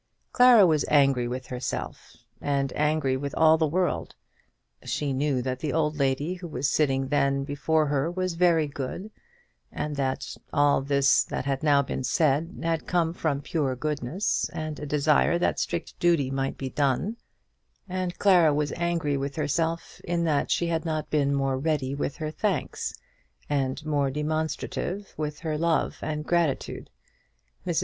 Clara was angry with herself, and angry with all the world. She knew that the old lady who was sitting then before her was very good; and that all this that had now been said had come from pure goodness, and a desire that strict duty might be done; and Clara was angry with herself in that she had not been more ready with her thanks, and more demonstrative with her love and gratitude. Mrs.